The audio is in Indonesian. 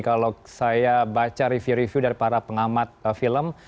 kalau saya baca review review dari para pengamat film